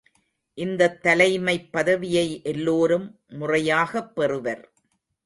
இந்தத் தலைமைப் பதவியை எல்லோரும் முறையாகப் பெறுவர்.